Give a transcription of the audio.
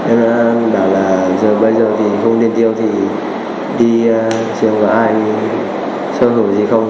em đã bảo là giờ bây giờ thì không tiền tiêu thì đi xem có ai sơ hữu gì không